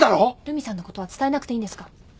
留美さんのことは伝えなくていいんですか？